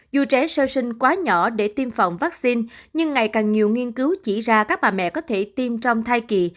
dù trẻ sơ sinh quá nhỏ để tiêm phòng vaccine nhưng ngày càng nhiều nghiên cứu chỉ ra các bà mẹ có thể tiêm trong thai kỳ